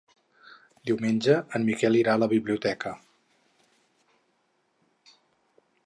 Diumenge en Miquel irà a la biblioteca.